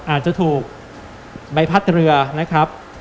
อาจจะถูกใบพัดเรือนะครับ